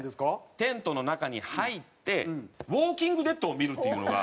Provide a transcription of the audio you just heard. テントの中に入って『ウォーキング・デッド』を見るというのが。